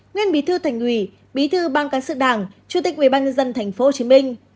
nguyên bí thư thành ủy bí thư ban cán sự đảng chủ tịch ubnd tp hcm